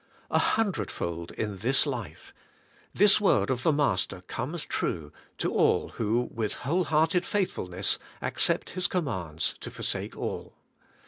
*A hundred fold in this life:' this word of the Master comes true to all who, with whole hearted faithfulness, accept His commands to forsake all.